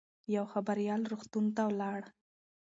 یو خبریال روغتون ته ولاړ.